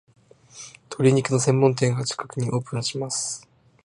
鶏肉の専門店が近くにオープンします